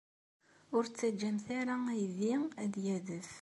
Ur ttaǧǧamt ara aydi ad d-yadef.